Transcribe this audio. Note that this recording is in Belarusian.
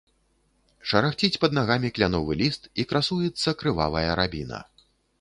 Шарахціць пад нагамі кляновы ліст, і красуецца крывавая рабіна.